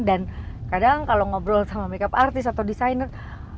dan kadang kalau ngobrol sama makeup artist atau designer